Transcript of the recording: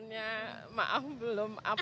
ya maaf belum apa